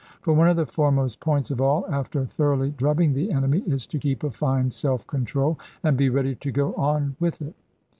For one of the foremost points of all, after thoroughly drubbing the enemy, is to keep a fine self control, and be ready to go on with it.